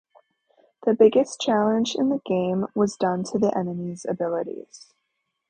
The biggest change in the game was done to the enemy's abilities.